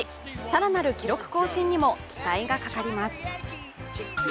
更なる記録更新にも期待がかかります。